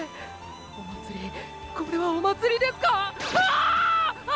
お祭りこれはお祭りですか⁉ああ！